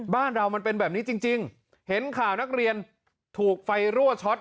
บ้านเรามันเป็นแบบนี้จริงเห็นข่าวนักเรียนถูกไฟรั่วช็อต